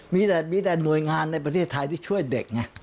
มีแต่มีแต่หน่วยงานในประเทศไทยที่ช่วยเด็กไง